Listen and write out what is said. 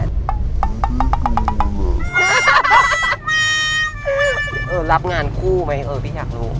รับงานคู่ไหมเออพี่อยากรู้